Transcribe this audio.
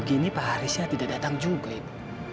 gini pak harisnya tidak datang juga ibu